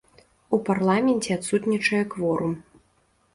У парламенце адсутнічае кворум.